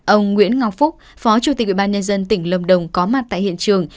ông nguyễn ngọc phúc phó chủ tịch ubnd tỉnh lâm đồng có mặt tại hiện trường